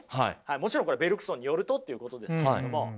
もちろんこれベルクソンによるとっていうことですけれども。